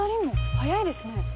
早いですね。